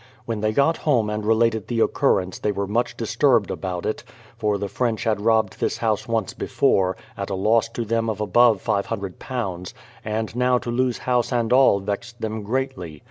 When they got home and related the occurrence they were much disturbed about it, for the French had robbed this house once before, at a loss to them of above £500, and now to lose house and all vexed them greatly.